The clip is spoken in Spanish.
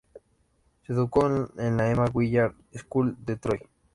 Se educó en la "Emma Willard School" de Troy.